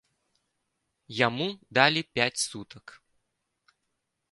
Яму далі пяць сутак.